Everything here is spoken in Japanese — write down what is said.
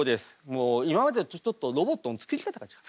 もう今までとちょっとロボットの作り方が違う。